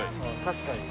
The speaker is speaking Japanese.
確かに。